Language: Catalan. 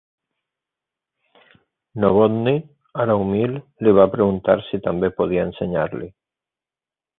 Novotny, ara humil, li va preguntar si també podia ensenyar-li.